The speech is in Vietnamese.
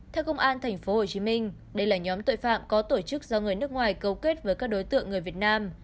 theo công an tp hcm đây là nhóm tội phạm có tổ chức do người nước ngoài câu kết với các đối tượng người việt nam